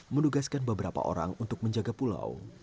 menugaskan beberapa orang untuk menjaga pulau